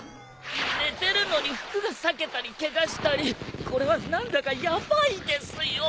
寝てるのに服が裂けたりケガしたりこれは何だかヤバいですよ。